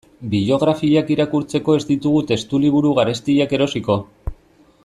Biografiak irakurtzeko ez ditugu testuliburu garestiak erosiko.